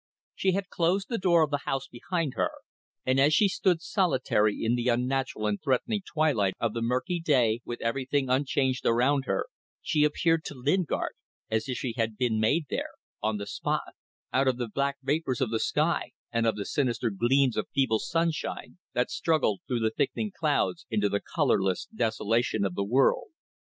She had closed the door of the house behind her; and as she stood solitary in the unnatural and threatening twilight of the murky day, with everything unchanged around her, she appeared to Lingard as if she had been made there, on the spot, out of the black vapours of the sky and of the sinister gleams of feeble sunshine that struggled, through the thickening clouds, into the colourless desolation of the world.